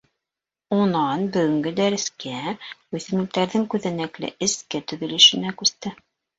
Унан бөгөнгө дәрескә, үҫемлектәрҙең күҙәнәкле эске төҙөлөшөнә күсте.